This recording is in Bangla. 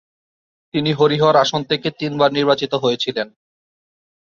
তিনি হরিহর আসন থেকে তিনবার নির্বাচিত হয়েছিলেন।